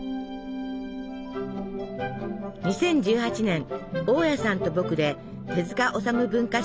２０１８年「大家さんと僕」で手塚治虫文化賞を受賞。